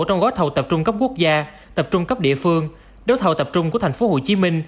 trong gói thầu tập trung cấp quốc gia tập trung cấp địa phương đấu thầu tập trung của tp hcm